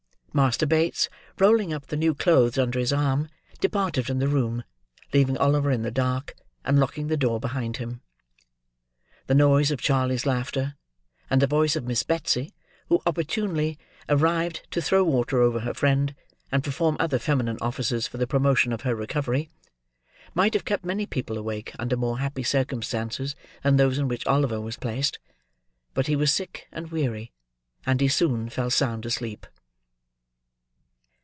Master Bates rolling up the new clothes under his arm, departed from the room, leaving Oliver in the dark, and locking the door behind him. The noise of Charley's laughter, and the voice of Miss Betsy, who opportunely arrived to throw water over her friend, and perform other feminine offices for the promotion of her recovery, might have kept many people awake under more happy circumstances than those in which Oliver was placed. But he was sick and weary; and he soon fell sound asleep.